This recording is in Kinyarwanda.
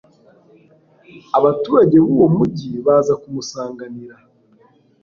abaturage b'uwo mugi baza kumusanganira